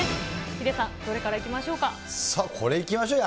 ヒデさん、どれからいきましょうか。